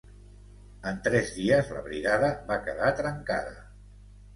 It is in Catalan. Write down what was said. En tres dies la brigada va quedar trencada.